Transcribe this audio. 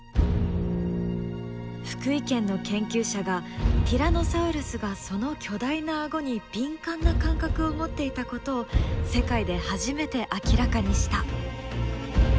福井県の研究者がティラノサウルスがその巨大な顎に敏感な感覚を持っていたことを世界で初めて明らかにした！